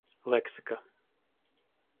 Лексика